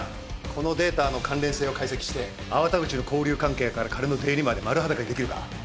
このデータの関連性を解析して粟田口の交流関係から金の出入りまで丸裸にできるか？